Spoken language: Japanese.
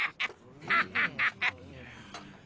ハハハハッ！